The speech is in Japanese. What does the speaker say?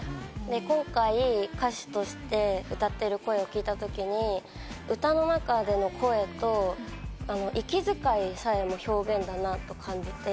今回歌手として歌っている声を聴いたときに歌の中での声と、息遣いさえも表現だなと感じて。